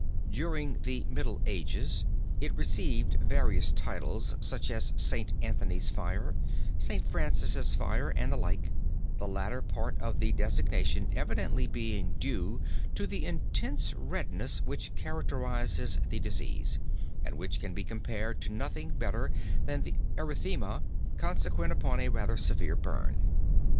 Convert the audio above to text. During the Middle Ages it received various titles such as St. Anthony's fire, St. Francis' fire, and the like, the latter part of the designation evidently being due to the intense redness which characterizes the disease, and which can be compared to nothing better than the erythema consequent upon a rather severe burn.